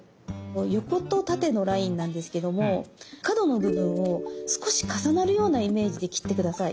横と縦のラインなんですけども角の部分を少し重なるようなイメージで切って下さい。